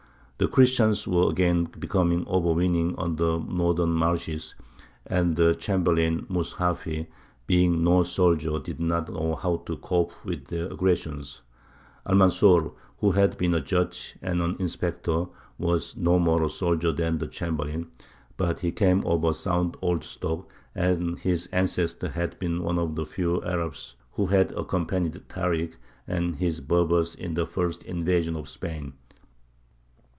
The Christians were again becoming overweening on the northern marches, and the Chamberlain Mus hafy, being no soldier, did not know how to cope with their aggressions. Almanzor, who had been a judge and an inspector, was no more a soldier than the chamberlain; but he came of a sound old stock, and his ancestor had been one of the few Arabs who had accompanied Tārik and his Berbers in the first invasion of Spain.